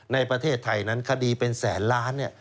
ในประเทศไทยนั้นคดีเป็นแสนล้าน